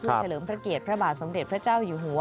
เพื่อเฉลิมพระเกตพระบาทสมเด็จพระเจ้าอยู่หัว